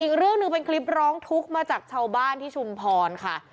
อีกเรื่องหนึ่งเป็นคลิปร้องทุกข์มาจากชาวบ้านที่ชุมพรค่ะ